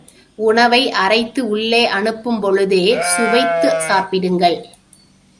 உணவை அரைத்து உள்ளே அனுப்பும் பொழுதே, சுவைத்துச் சாப்பிடுங்கள்.